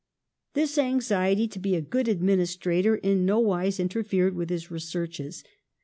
This anxiety to be a good administrator in no wise interfered with his researches.